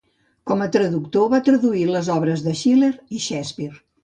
Com a traductor va traduir les obres de Schiller i Shakespeare.